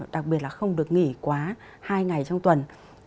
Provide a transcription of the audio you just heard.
đặc biệt là không được nghỉ quá hai ngày trong tuần